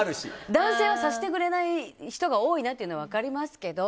男性は察してくれない人が多いねというのは分かりますけど。